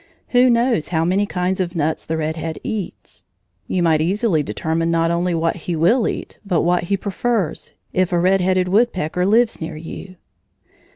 Who knows how many kinds of nuts the red head eats? You might easily determine not only what he will eat, but what he prefers, if a red headed woodpecker lives near you.